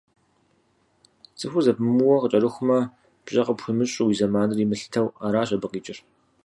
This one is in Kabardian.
Цӏыхур зэпымыууэ къыкӏэрыхумэ, пщӏэ къыпхуимыщӏу, уи зэманыр имылъытэу аращ абы къикӏыр.